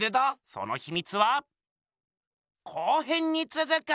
そのひみつは後編につづく！